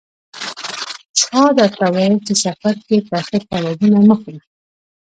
چا درته ویل: په سفر کې ترخه کبابونه مه خوره.